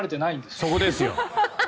そこですよ。